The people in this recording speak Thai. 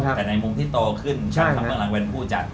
แต่ในมุมที่โตขึ้นทำเบื้องหลังเป็นผู้จัด